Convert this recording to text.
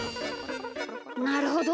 なるほど。